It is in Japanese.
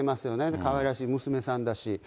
かわいらしい娘さんだし。